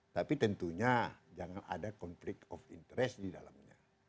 tapi tentunya jangan ada konflik of interest di dalamnya